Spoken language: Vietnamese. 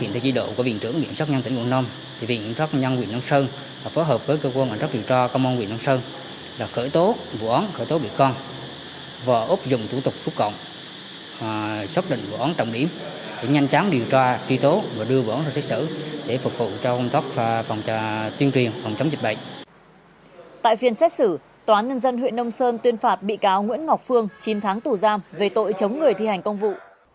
tại phiên xét xử toán nhân dân huyện đông sơn tuyên phạt bị cáo nguyễn ngọc phương chín tháng tù giam về tội chống người thi hành công vụ